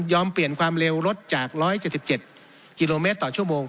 เปลี่ยนความเร็วรถจาก๑๗๗กิโลเมตรต่อชั่วโมง